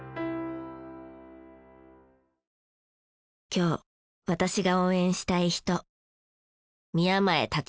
今日私が応援したい人。